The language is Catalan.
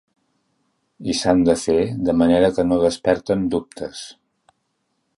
I s’han de fer de manera que no desperten dubtes.